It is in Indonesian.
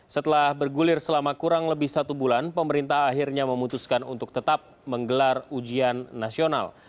setelah bergulir selama kurang lebih satu bulan pemerintah akhirnya memutuskan untuk tetap menggelar ujian nasional